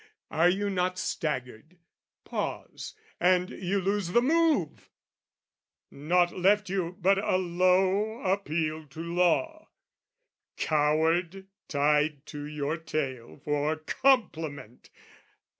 Are you not staggered? pause, and you lose the move! Nought left you but a low appeal to law, "Coward" tied to your tail for compliment!